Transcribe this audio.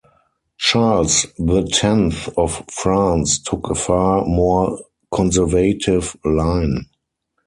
Charles the Tenth of France took a far more conservative line.